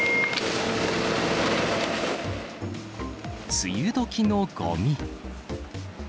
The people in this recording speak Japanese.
梅雨どきのごみ。